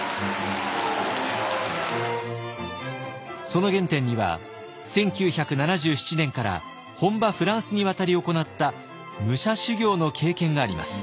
その原点には１９７７年から本場フランスに渡り行った武者修行の経験があります。